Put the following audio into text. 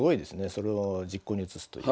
それを実行に移すという。